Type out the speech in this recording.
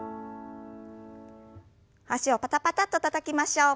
脚をパタパタッとたたきましょう。